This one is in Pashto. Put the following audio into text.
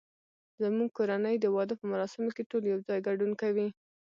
زمونږ کورنۍ د واده په مراسمو کې ټول یو ځای ګډون کوي